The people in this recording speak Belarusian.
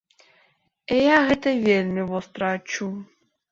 Я гэта вельмі востра адчуў.